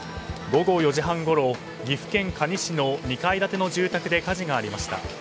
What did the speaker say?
午後４時半ごろ岐阜県可児市の２階建ての住宅で火事がありました。